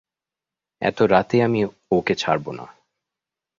এত রাতে আমি ওঁকে ছাড়ব না।